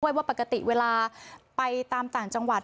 ว่าปกติเวลาไปตามต่างจังหวัด